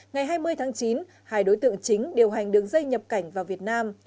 ngày hai mươi tháng chín hai đối tượng chính điều hành đường dây nhập cảnh vào việt nam